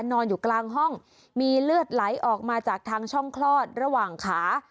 นอนอยู่กลางห้องมีเลือดไหลออกมาจากทางช่องคลอดระหว่างขา